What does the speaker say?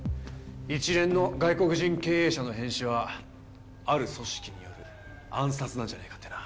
一連の外国人経営者の変死はある組織による暗殺なんじゃねえかってな。